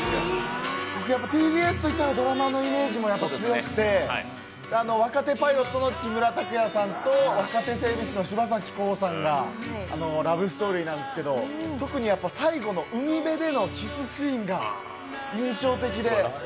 ＴＢＳといったらドラマのイメージも強くて、若手パイロットの木村拓哉さんと若手整備士の柴咲コウさんのラブストーリーなんですけど、特に最後の、海辺でのキスシーンが印象的で。